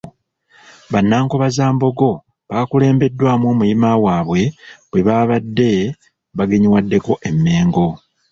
Bannankobazambogo bakulembeddwamu omuyima waabwe bwe baabadde bagenyiwaddeko e Mmengo.